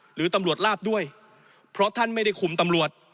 หรือตำรวจลาบด้วยเพราะท่านไม่ได้คุมตำรวจ